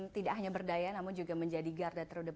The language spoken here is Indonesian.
tidak hanya berdaya namun juga menjadi garda terdepan